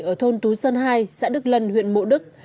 ở thôn tú sơn hai xã đức lân huyện mộ đức